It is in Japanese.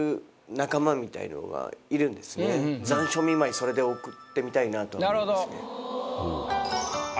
残暑見舞いそれで贈ってみたいなと思いますね。